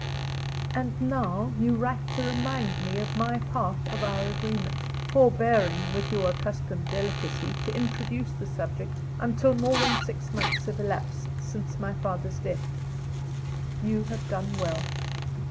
And now, you write to remind me of my part of our agreement forbearing, with your accustomed delicacy, to introduce the subject, until more than six months have elapsed since my father's death. You have done well.